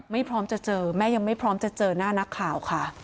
พร้อมจะเจอแม่ยังไม่พร้อมจะเจอหน้านักข่าวค่ะ